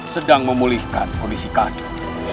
sedang memulihkan kondisi kakanda